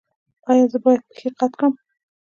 ایا زه باید پښې قات کړم؟